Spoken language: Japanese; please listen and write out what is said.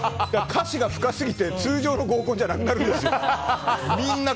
歌詞が深すぎて通常の合コンじゃなくなるんです。